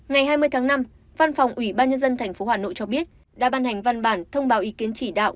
ngày hai mươi tháng năm văn phòng ủy ban nhân dân tp hà nội cho biết đã ban hành văn bản thông báo ý kiến chỉ đạo